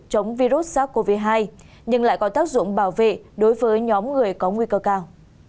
chống virus sars cov hai nhưng lại có tác dụng bảo vệ đối với nhóm người có nguy cơ cao